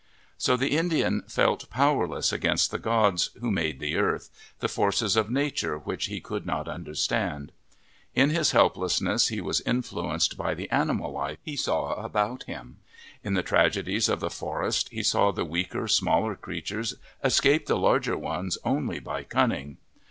So the Indian felt powerless against the gods who made the earth r r the forces of nature which he could '*',* t 1 nofuriiiefstanck " Ln : iire helplessness, he was influenced t , i *,* by the animal il; if' <: he saw about him. In the trage dies of fJie forfcfevifle saw the weaker, smaller creatures escape the larger 'ones only by cunning.